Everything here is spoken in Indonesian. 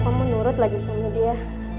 kamu nurut lagi sama dia